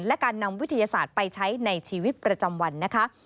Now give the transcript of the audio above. และการนำวิทยาศาสตร์ไปใช้ในชีวิตประจำวันนะคะ